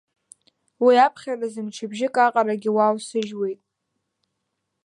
Уи аԥхьаразы, мчыбжьык аҟарагьы уаусыжьуеит.